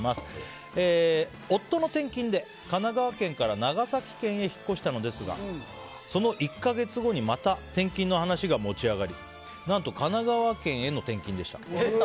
夫の転勤で神奈川県から長崎県へ引っ越したのですがその１か月後にまた転勤の話が持ち上がり何と神奈川県への転勤でした。